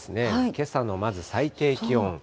けさのまず最低気温。